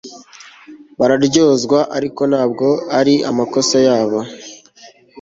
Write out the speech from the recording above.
Bararyozwa ariko ntabwo ari amakosa yabo